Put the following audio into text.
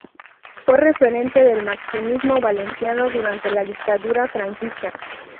Fue referente del marxismo valenciano durante la dictadura franquista.